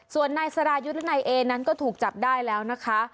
ส่วนนายสรายุทธ์และนายเอนั้นก็ถูกจับได้แล้วนะคะ